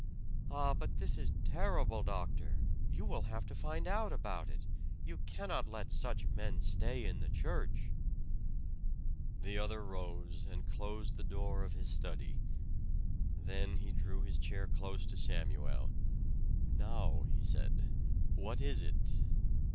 "Ah, but this is terrible, doctor! You will have to find out about it you cannot let such men stay in the church." The other rose and closed the door of his study. Then he drew his chair close to Samuel. "Now," he said, "what is it?"